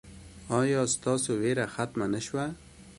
ایا ستاسو ویره ختمه نه شوه؟